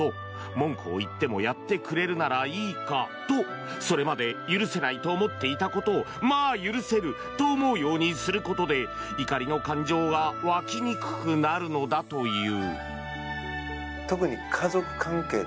文句を言ってもやってくれるならいいかとそれまで許せないと思っていたことをまあ許せると思うようにすることで怒りの感情が湧きにくくなるのだという。